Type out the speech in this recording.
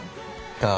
ああ